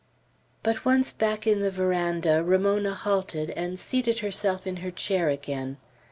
But once back in the veranda, Ramona halted, and seated herself in her chair again.